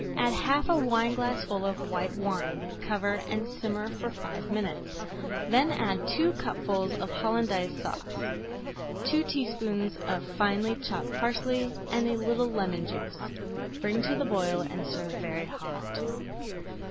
Add half a wineglassful of white wine, cover, and simmer for five minutes; then add two cupfuls of Hollandaise Sauce, two teaspoonfuls of finely chopped parsley, and a little lemon juice. Bring to the boil and serve very hot.